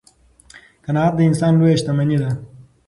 قناعت د انسان لویه شتمني ده.